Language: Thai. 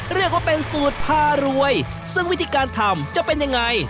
เรียกว่าเป็นสูตรพารวยซึ่งวิธีการทำจะเป็นยังไง